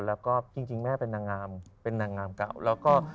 แล้วก็จริงแม่เป็นนางงามเป็นนางงามเก่าแล้วก็